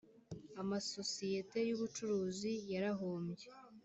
Amasosiyete y Ubucuruzi yarahombye